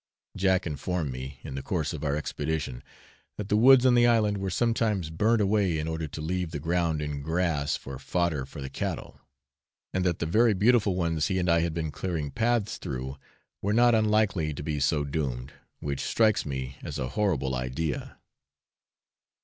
Jack informed me, in the course of our expedition, that the woods on the island were sometimes burnt away in order to leave the ground in grass for fodder for the cattle, and that the very beautiful ones he and I had been clearing paths through were not unlikely to be so doomed, which strikes me as a horrible idea.